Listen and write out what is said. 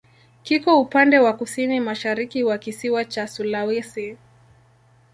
Kiko upande wa kusini-mashariki wa kisiwa cha Sulawesi.